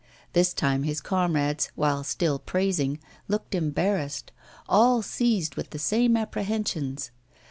This time his comrades, while still praising, looked embarrassed, all seized with the same apprehensions.